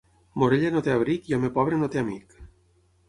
Morella no té abric i home pobre no té amic.